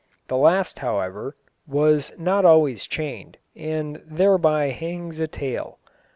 The last, however, was not always chained, and thereby hangs a tale.